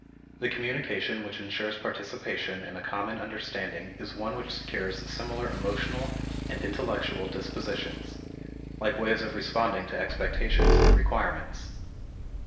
The communication which insures participation in a common understanding is one which secures similar emotional and intellectual dispositions like ways of responding to expectations and requirements.